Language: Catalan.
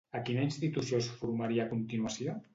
A quina institució es formaria a continuació?